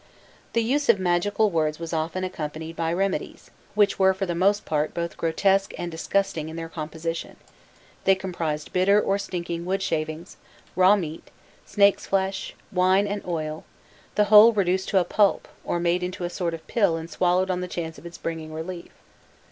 The use of magical words was often accompanied by remedies, which were for the most part both grotesque and disgusting in their composition: they comprised bitter or stinking wood shavings, raw meat, snake's flesh, wine and oil, the whole reduced to a pulp, or made into a sort of pill and swallowed on the chance of its bringing relief.